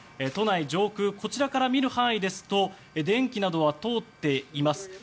都内上空、こちらから見る範囲ですと電気などは通っています。